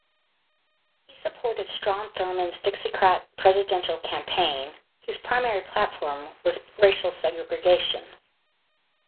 He supported Strom Thurmond's Dixiecrat presidential campaign, whose primary platform was racial segregation.